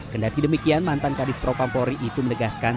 kendaki demikian mantan kadif pro pampori itu menegaskan